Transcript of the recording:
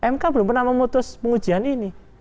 mk belum pernah memutus pengujian ini